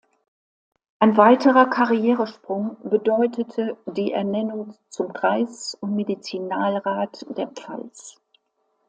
Ein weiterer Karrieresprung bedeutete die Ernennung zum "Kreis- und Medizinalrat der Pfalz".